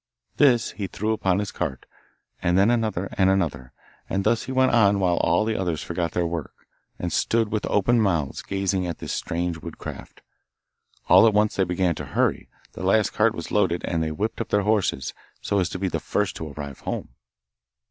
This he threw upon his cart, and then another and another, and thus he went on while all the others forgot their work, and stood with open mouths, gazing at this strange woodcraft. All at once they began to hurry; the last cart was loaded, and they whipped up their horses, so as to be the first to arrive home.